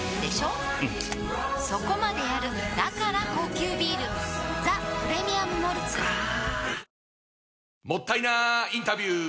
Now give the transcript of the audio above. うんそこまでやるだから高級ビール「ザ・プレミアム・モルツ」あーもったいなインタビュー！